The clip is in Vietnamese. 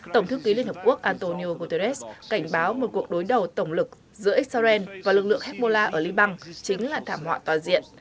tổng thư ký liên hợp quốc antonio guterres cảnh báo một cuộc đối đầu tổng lực giữa israel và lực lượng hezbollah ở liban chính là thảm họa toàn diện